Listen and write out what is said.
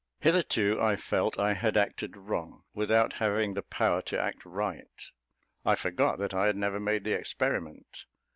Hitherto I felt I had acted wrong, without having the power to act right. I forgot that I had never made the experiment.